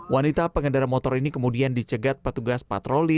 wanita pengendara motor ini kemudian dicegat petugas patroli